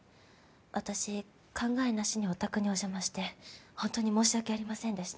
私考えなしにお宅にお邪魔して本当に申し訳ありませんでした。